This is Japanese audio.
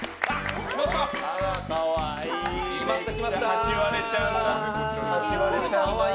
ハチワレちゃんだ。